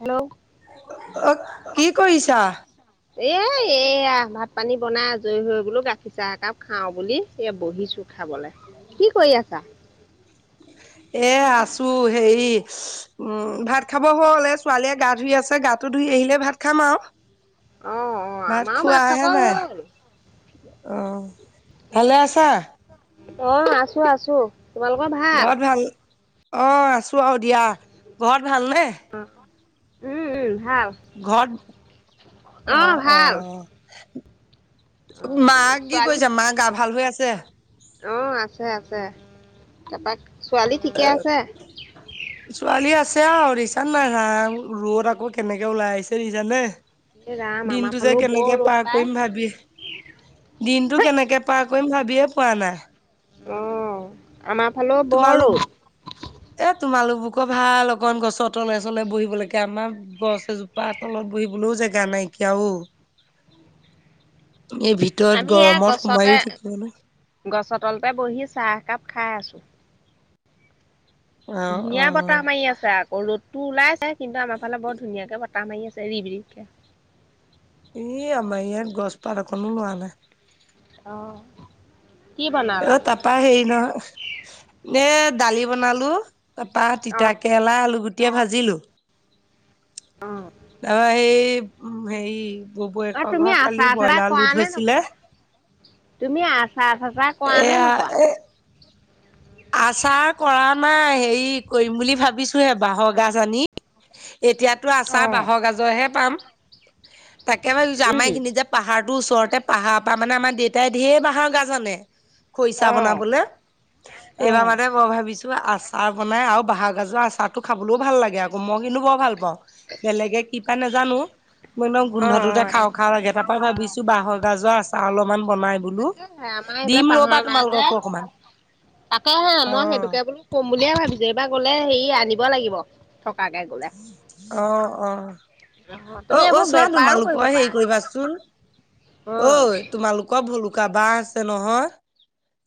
Hello অ কি কৰিছা? এ এইয়া ভাত পানী বনাই আজৰি হৈ বোলো গাখীৰ চাহ একাপ খাও বুলি এই বহিছো। খাবলৈ। কি কৰি আছা? উ এ আছো হেৰি উম, ভাত খাব হ'ল এ ছোৱালীয়ে গা ধুই আছে গাটো ধু ধুই আহিলে ভাত খাম আৰু অ অ ভাত আমাৰো খাব খোৱাহে নাই। হ'ল অ, ভালে আছা? অ, আছো-আছো তোমালোকৰ ভাল? অ, আছো আৰু দিয়া ঘৰত ভালনে? উম-উম [unintelligible] অ', অ', অ মা কি ছোৱালী কৈছে মা গা ভাল হৈ আ আছে? অ, আছে-আছে [unintelligible] [unintelligible] ছোৱালী আছে আৰু ৰিছ [unintelligible] নাই ৰ'দ আকৌ কেনেকে ওলাই আহিছে দেখিছানে? এই ৰাম আমাৰ দিনটো যে ফালেও বৰ কেনেকে ৰ'দ পাৰ পায় কৰিম ভাবি দিনটো কেনেকে পাৰ কইম ভাবিয়ে পোৱা নাই। অ, আমাৰ ফালেও বৰ ৰ'দ। তোমালোক বুকৰ ভাল অকন গছৰ তলে চলে বহিব লৈকে আমাৰ গছ এজোপা তলত বহিবলৈও জেগা নাইকিয়া অ, এই ভিতৰত আমি এয়া গৰমত গছতে সোমাইও থাকেইনে গছৰ তলতে বহি চাহ একাপ খাই আছোঁ। অ অ ধুনীয়া বতাহ মাৰি আছে আকৌ ৰ'দ টো ওলাইছে কিন্তু আমাৰ ফালে বৰ ধুনীয়াকে বতাহ মাৰি আছে ৰিব-ৰিবকে। এ আমাৰ ইয়াত গছপাত একনো লৰা নাই। অ', কি এ বনালা? তাৰপা হেৰি নহয়, নে দালি বনালো। তাৰপা তিতা অ', কেৰেলা আলু গুটিয়ে ভাজিলো। অ'। তাৰপা এই হেৰি অ' বপুয়েকৰ তুমি ঘৰত কালি আচাৰ চাচাৰ ব্ৰইলাৰ কৰা লোড নে হৈছিলে। নকৰা? তুমি আচাৰ চাচাৰ কৰা নে এয়া নকৰা? এ আচাৰ কৰা নাই, হেৰি কৰিম বুলি ভাবিছোহে বাঁহৰ গাজ আনি। এতিয়াতো আচাৰ অ', বাঁহৰ গাজৰহে পাম, তাকে ভাবিছোঁ আমাৰ উম, এখিনি যে পাহাৰ তুৰ ওচৰতে পাহাৰ পৰা মানে আমাৰ দেউতাই ঢেৰ বাঁহৰ গাজ আনে। খৰিচা অ', বনাবলে, এইবাৰ অ', মানে মই ভাবি ছো আচাৰ বনাই আৰু বাঁহৰগাজৰ আচাৰতো খাবলৈও ভাল লাগে আকৌ মই কিন্তু বৰ ভাল পাওঁ, বেলেগ কি পাই নাজানো, মই একদম গোন্ধটোতে অ', দে। খাওঁ খাওঁ লাগে তাৰ পৰা ভাবিছো বাঁহৰ গাজৰ আচাৰ অলপ অকমান বনাই বোলো তাকেহে আমাৰ এইফালে দিম ৰবা তোমালোককো অকণমান। আকৌ সেই মই সেইটোকে বোলো ক'ম বুলিয়ে ভাবিছো‌ঁ এইবাৰ গলে হেৰি আনিব লাগিব। থকাকে গ'লে অ', অ'। তুমি অ', এইবোৰ অ', চোৱা বেপাৰো কৰিব তোমালোকৰ পাৰা হেৰি দেখোন কৰিবাচোন। ঐ অ', তোমালোকৰ ভলুকা বাঁহ আছে নহয়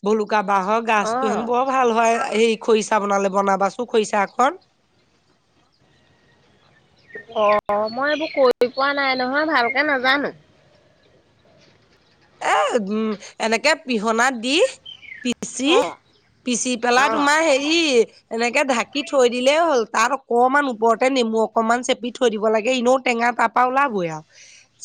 ভলুক কা বাঁহৰ গছতো অ'। হেনো বৰ ভাল হয়। এই খৰিচা বনালে বনাবা চো খৰিচা এখন। অ' মই এইবোৰ কৰি পোৱা নাই নহয় ভালকে নাজানো। এ উম এনেকে পিহনাত দি পিচি অ পিচি পেলাই অ তোমাৰ হেৰি এনেকে ঢাকি থৈ দিলেই হ'ল তাত অকণমান ওপৰতে নেমু অকনমান চেপি থৈ দিব লাগে ইনেও টেঙা তাৰপা ওলাবই আৰু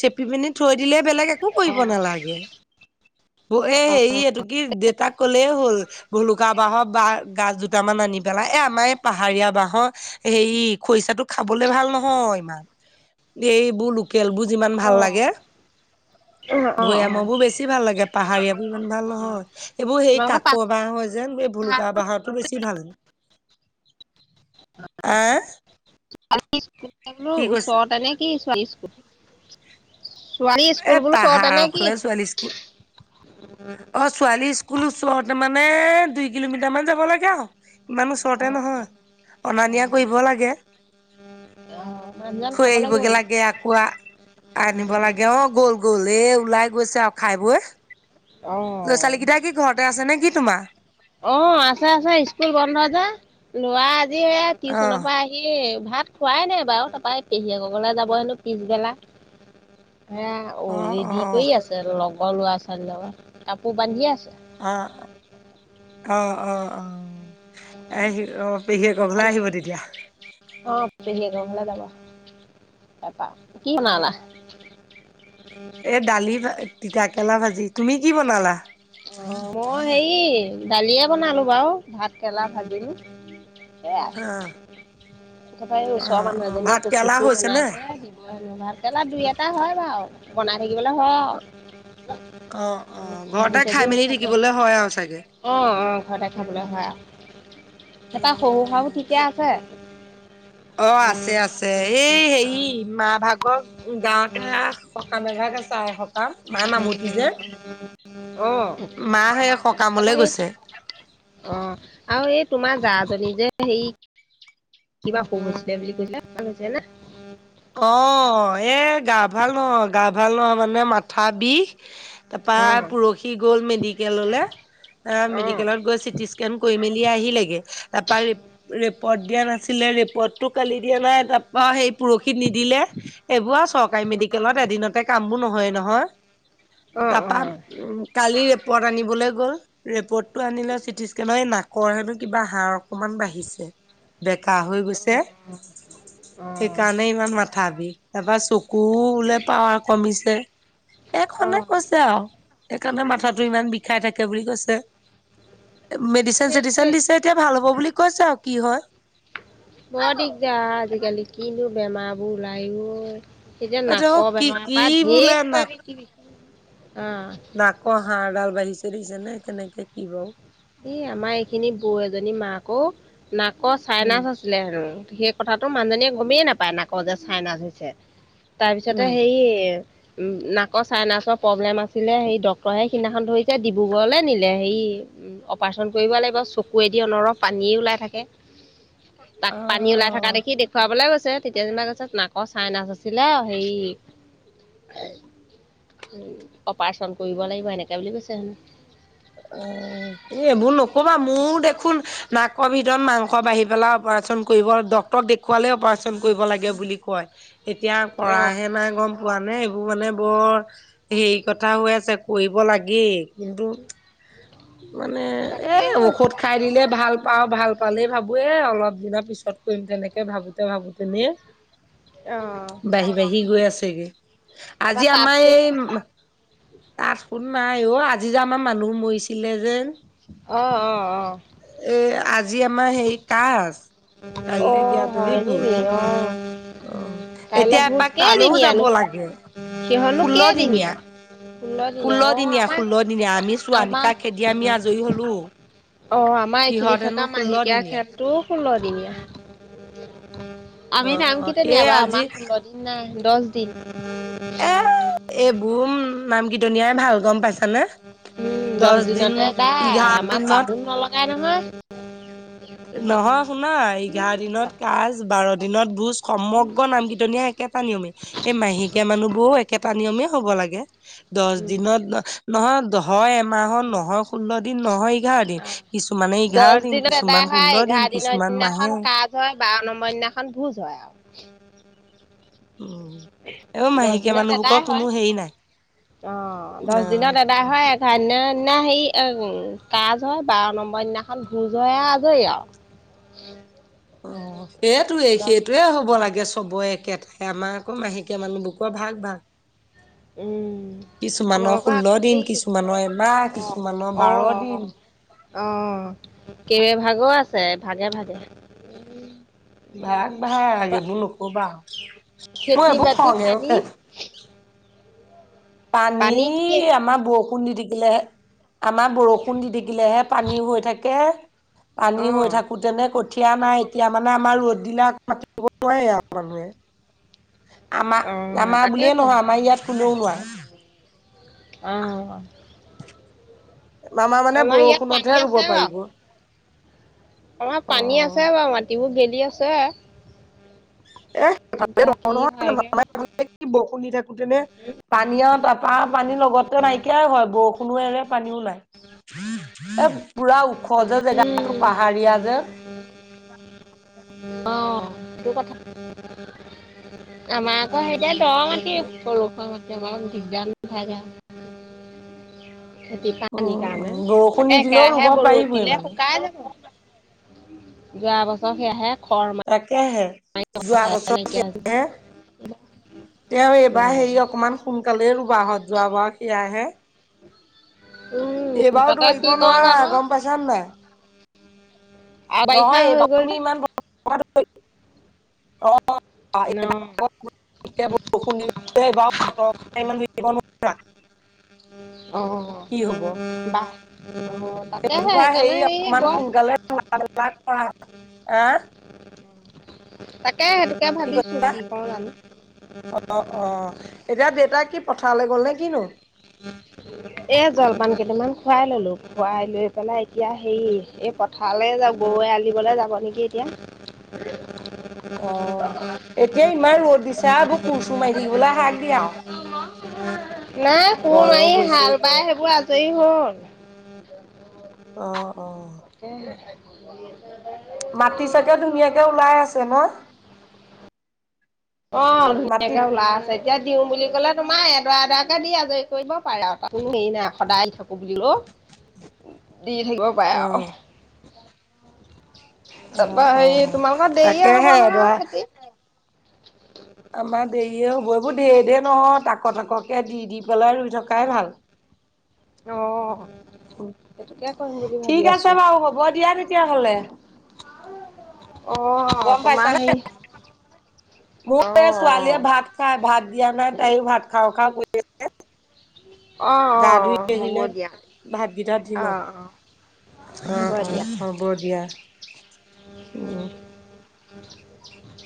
চেপি পিনি থৈ দিলে বেলেগ একো অ কৰিব নালাগে। এ হেৰি এইটো কি দেউতাক ক'লে হ'ল, ভূলুকা বাঁহৰ বাঁহ গাছ দুটামান আনি পেলাই, এ আমাৰ এই পাহাৰীয়া বাঁহৰ হেৰি খৰিচাটো খাব [unintelligible] ভাল নহয় ইমান, এইবোৰ লো কেলবোৰ যিমান অ ভাল লাগে। অ অ' ভৈয়ামৰ বোৰ অ' বেছি ভাল লাগে, পাহাৰীয়াবোৰ ইমান ভাল নহয়। এইবোৰ হেই তোমালোকৰ কাক পাছ বাঁহ হয়। যেন এই ভূলুকা বাঁহৰটো বেছি ভাল। আ [unintelligible] ওচৰতে নে কি ছোৱালী স্কুল? ছোৱালী এ স্কুল বোলো ওচৰতে পাহাৰৰ নে কি? ফালে ছোৱালী স্কুল অ', ছোৱালী স্কুল ওচৰতে মানে দুই কিলোমিটাৰ মান যাব লাগে আৰু ইমান ওচৰতে অ' নহয়, অনা অ' নিয়া কৰিব লাগে। অ' মানুহজন থৈ কামলৈ গ'ল আহিবগে লাগে আকৌ আ আনিব লাগে, অ' গ'ল, গ'ল এই ওলাই গৈছে আৰু খাই বৈ। অ ল'ছালীকেইটা কি ঘৰতে আছে নে কি তোমাৰ? অ', আছে, আছে স্কুল বন্ধ যে, লৰা আজি এ অ টিউচনৰ পৰা আহি ভাত খোৱাই নাই বাৰু তাপা, এই পেহীয়েকৰ যাব হেনো পিছবেলা। হে, অ' ৰেডি কৰি আছে লগৰ লৰা-ছোৱালীৰ লগত কাপোৰ বান্ধি আছে আহ, অ', অ', অ। এহ, অ' পেহীয়েকৰ ঘৰলে বান্ধি আহিব তেতিয়া। অ [unintelligible] এ দালি ভা তিতাকেৰেলা ভাজি, তুমি কি বনালা? মই হেৰি দালিয়ে বনালো বাৰু ভাত কেৰেলা ভাজিলো, সেয়াই। অ তাৰাপৰা এই অ ওচৰৰ মানুহ অ এজনীয়ে ভাত কেৰেলা কচুথোৰ হৈছে নে? বনাইছে দিব হেনো, ভাতকেৰেলা দুই এট তাৰ হয় বাও বনাই থাকিবলে হয় আও। অ ঘৰতে খাই ভাজি-চাজি হৈ মেলি থাকে, থাকিবলৈ হয় আৰু চাগে অ অ ঘৰতে খাব খাবলে হয় আও, অ এটা সৰু হাঁহো ঠিকে আছে? অ আছে আছে এই হেৰি মা ভাগৰ গাৱতে আ সকাম এভাগ আছে আও আই সকাম মায়ে মামুঠি যে, অ মা সেই হ তাৰপৰা সেই, অ, আৰু এই তোমাৰ জাজনী যে হেৰি কিবা অসুখ হৈছে বুলি কৈছিলে ভাল হৈছে না? অ এ গা ভাল নহয় গা ভাল নহয় মানে মাথা বিষ। অ তাৰপৰা পৰহি গ'ল মেডিকেললে, অ মেডিকেলত গৈ চিটি। কেণ কৰি মেলি আহিলেগে তাৰপৰা ৰি ৰিপৰ্ট দিয়া নাছিলে ৰিপৰ্টটো কালি দিয়া নাই। অ সেই পৰহিত নিদিলে এইবোৰ আৰু চৰকাৰী মেডিকেলত এদিনতে কাম বোৰ নহয় নহয়। অ তাৰপৰা উম কালি। পট আনিবলে গ'ল ৰিপৰ্টটো আনিলে চিটি স্কেনৰ এই নাকৰ হেনো কিবা হাৰ অকনমান বাঢ়িছে। বেকা হৈ গৈছে, অ অ সেইকাৰণেই ভাবি তাৰপা চকু বোলে পাৱাৰ কমিছে। অ এইখনে অ কৈছে আও, সেইকাৰণে মাথাটো ইমান বিষাই থাকে বুলি কৈছে। মেডিচিন সেইটোৱে চেডিচিন দিছে এতিয়া ভাল হ'ব বুলি কৈছে আও কি হয়। বৰ দিগদাৰ আজিকালি কিনো বেমাৰবোৰ ওলাই অ। সেই যে এতিয়া নাকৰ কি বেমাৰৰ কি পৰা বোলে ঢেৰ কিবা নাক কিবি। অ' নাকৰ হাড় ডাল বাঢ়িচে দেখিছেনে কেনেকে কি বাৰু। আকৌ নাকৰ উম চাইনাছ আছিলে হেনো। কথাটো মানুহজনীয়ে গমে নাপায় নাকত যে চাইনাজ হৈছে, তাৰপিছতে উম হেৰি। উম নাকৰ চাইনাচৰ প্ৰব্লেম আছিলে সেই ডক্তৰে সিদিনাখন ধৰিছে ডিব্ৰুগড়লৈ নিলে হেৰি। উম অপাৰেচন কৰিব লাগিব চকুৱেদি অনৰহ পানী ওলাই থাকে। অ তাক পানী ওলাই থকা অ দেখি দেখুৱাবলৈ গৈছ। চে তেতিয়া যেনিবা কৈছে নাকৰ চাইনাচ আছিলে হেৰি। অপাৰেচন কৰিব লাগিব এনেকে বুলি কৈছে হেনো। অ এইবোৰ নকবা মোৰ দেখোন নাকৰ ভিতৰত মাংস বাঢ়ি পেলাই। অপাৰেচন কৰিব ডক্তৰক দেখুৱালে অপাৰেচন কৰিব লাগে বুলি কয়। এতিয়া অ', কৰাহে নাই গম পোৱা নে। এইটো মানে বৰ হেৰি কথা হৈ আছে কৰিব লাগে কিন্তু। মানে এ তাকে ঔষধ খাই দিলে ভাল। পাওঁ ভাল পালেই ভাবো এ অলপ দিনৰ পিছত কৰিম তেনেকে ভাবোতে ভাবোতে নে। অ, বাঢ়ি বাঢ়ি গৈ আছেগে, তাৰপা আজি তাঁত আমাৰ সুত এই। তাত শুন নাই অ আজি যে আমাৰ মানুহ মৰিছিলে যে। অ অ অ। আজি আমাৰ হেৰি কাজ। অ, হয় নেকি অ, [unintelligible] অ, কাইলৈ এতিয়া ভোজ এপাক তালৈও যাব কেইদিনীয়ানো লাগে, ষোল্লদিনীয়া। ষোল্লদিনীয়া ও, আমাৰ, চোৱা নিকা খেদি আমি আমাৰ। আজৰি হলো অ আমাৰ সিহঁত এইখিনিত হেনো থকা ষোল্ল মাহেকীয়া দিনীয়া খেতটো ষোল্লদিনীয়া। অ আমি নাম অ কেইটা সেই আজি [unintelligible] দহ দিন। এ এইবোৰ নাম কীৰ্তনিয়াই ভাল গম পাইছ। উম দহ দিনতে তাই এঘাৰ আমাৰ দিনত বামুন নলগাই নহয়। নহয় শুনা এঘাৰ দিনত কাজ বাৰ দিনত বুজ। সমগ্ৰ নাম কীৰ্তনিয় একেটা নিয়মে সেই মাহেকীয়া মানুহবোৰও একেটা নিয়মেই হ'ব লাগে। দহ দিনত ন নহয় হয় এমাহত নহয় ষোল্ল দিন নহয়। এঘাৰ দিন কিছু মানে এঘাৰ দিন কিছু। সদায় হয় এঘাৰ দিনৰ দিনাখন কাজ হয় বাৰ নম্বৰ দিনাখন ভোজ হয়। [unintelligible] উম এ মাহেকীয়া মানুহবোৰৰ কোনো হেৰি নাই। অ দহ অ দিনত এদাই হয়। [unintelligible] দিনা হেৰি কাজ হয় বাৰ নম্বৰ দিনাখন ভোজ হয় আজৰি আৰু। অ সেইটোৱে দহ সেইটোৱে হ'ব লাগে চবৰে একেটা। আমাৰ আকৌ মাহেকীয়া মানুহ বকো ভাগ ভাগ। উম। কিছুমানৰ তোমালোকৰ ষোল্ল আকৌ দিন হেৰি কিছুমানৰ এমাহ অ কিছুমানৰ অ বাৰ অ। দিন অ কেইবা ভাগো আছে, ভাগে ভাগে। এ ভাগ ভাগ, তাৰপা এইবোৰ নকবা আৰু। মোৰ খেতি এইবোৰ বাতি খং এ পানী উঠে। পানী আমাৰ বহু বষুণ দি থাকিলে আমাৰ বৰষুণ দি থাকিলেহে পানী হৈ থাকে। পানী অঁ হৈ থাকোতেনে ক কঠিয়া নাই এতিয়া মানে আমাৰ ৰ'দ বিলাক মাতিব নোৱাৰে আৰু মানুহে। আমাৰ অঁ আমাৰ বুলিয়ে তাকেহে নহয় আমাৰ ইয়াত কোনেও নোৱাৰে। অহ। মামা মানে ইয়াত পানী বৰষুণতহে ৰুব আছে বাৰু পাৰিব। আমাৰ অ পানী আছে বাৰু মাটিবোৰ গেলি আছে। [unintelligible] এ এতিয়া কি হয়গে নহয় বৰষুন দি থাকোতেনে উম, পানীয় তাৰপৰা। পানীৰ লগতে নাইকিয়াই হয়, বৰষুণো এৰে পানীও নাই এ পুৰা ওখ যে জেগাটো পাহাৰীয়া যে। অ সেইটো কথা। আমাৰ আকৌ, হে এতিয়া উম দ মাটি সেইটোৱে পলখোৱা মাটি। [unintelligible] জাব ঠিক যান ন খাই যায় খেতি পানীৰ কাৰণে, উম বৰষুণ তাকে নিদিলেও একেৰাহে ৰুব ৰদ পাৰিবই দিলে মানে শুকাই যাব। যোৱা বছৰ সেয়াহে। খৰ তাকে হে। মাৰি যোৱা বছৰে, নাইকিয়া হৈছে তেওঁ এইবাৰ হেৰি অকমান সোনকালে। বাহত, যোৱা বাৰ সেইয়া হে। উম এইবাৰো তাকে ধৰিব কি কওঁ নোৱাৰা জানো গম পাইছানে নাই। আৰু বাৰিষা নহয় হৈ এইবাৰ গ'ল তুমি যে ইমান অ [unintelligible] অ অ ন এ [unintelligible] [unintelligible] অ অ তাতে সেই সেইকাৰণে এই বছ, [unintelligible] হা, তাকে সেইটোকে ভাবিছো কি কওঁ জানো। অ অ এতিয়া দেউতাক কি পথাৰলৈ গ'ল নে কিনো। [unintelligible] এ জলপান কেইটামান খুৱাই ললো খুৱাই লৈ পেলাই এতিয়া হেৰি এই পথাৰলে যাব, বৌৱে আলিদিবলৈ যাব নেকি এতিয়া। অ এতিয়া ইমান ৰ'দ দিছা আও কোৰচোৰ মাৰি থাকিবলে শাক দিয়া আও, [inaudible] নাই কোৰ মাৰি হাল বাই এতিয়া। সেইবোৰ আজৰি হ'ল। অ অ, উম [unintelligible] মাটি চাতিয়ো ধুনীয়াকে ওলাই আছে ন। অ মাটি ধুনীয়াকে উলাই আছে এতিয়া দিওঁ বুলি ক'লে। তোমাৰ এডৰা এডৰাকে দি আজৰি কৰিব পাৰে আৰু তো হেৰি নাই সদায় থ বন্ধ দি থাকিব পাৰে আৰু অ', তাৰপা অ', হেৰি অ', তোমালোকৰ দেৰিয়ে হব তাকেহে নহয় ধৰা খেতি। আমাৰ দেৰিয়ে হ'ব এইবোৰ দেৰ দেৰ নহয় তাক তাককে দি দি পেলাই ৰুই থকাই ভাল। অ সেইটোকে কৰিম বুলি ভাবি ঠিক আছো আছে বাৰু হ'ব দিয়া তেতিয়াহলে। অহ গম তোমাৰ পাইছানে? হেৰি, অ মোৰ এ ছোৱালীয়ে অ ভাত খাই ভাত দিয়া নাই তাইও ভাত খাওঁ খাওঁ কৰি আছে। অঁ গা অঁ ধুই অঁ হ'ব আহিলে দিয়া ভাতগিটা দি লওঁ অঁ অঁ অ হ'ব অ দিয়া হব দিয়া উম [inaudible]